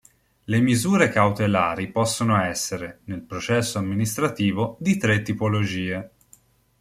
Le misure cautelari possono essere, nel processo amministrativo, di tre tipologie.